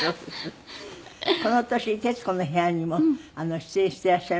この年『徹子の部屋』にも出演していらっしゃいます。